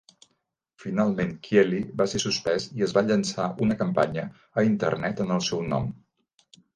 Finalment, Kiely va ser suspès i es va llançar una campanya a internet en el seu nom.